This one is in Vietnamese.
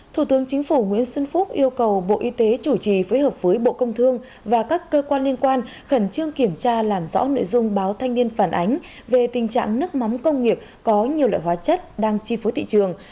thủ tướng chính phủ nguyễn xuân phúc yêu cầu bộ y tế chủ trì phối hợp với bộ công thương và các cơ quan liên quan khẩn trương kiểm tra làm rõ nội dung báo thanh niên phản ánh về tình trạng nước mắm công nghiệp có nhiều loại hóa chất đang chi phối thị trường